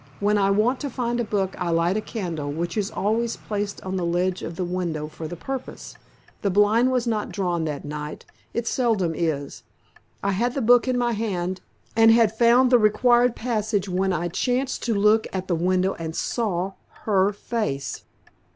When I want to find a book I light a candle, which is always placed on the ledge of the window for the purpose. The blind was not drawn that night. It seldom is. I had the book in my hand, and had found the required passage when I chanced to look at the window and saw her face."